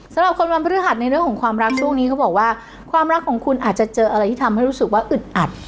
สำหรับคนวันพฤหัสในเรื่องของความรักช่วงนี้เขาบอกว่าความรักของคุณอาจจะเจออะไรที่ทำให้รู้สึกว่าอึดอัด